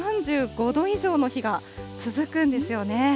３５度以上の日が続くんですよね。